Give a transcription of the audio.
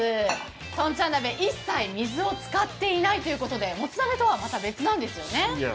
とんちゃん鍋、一切水を使っていないということでもつ鍋とはまた別なんですよね。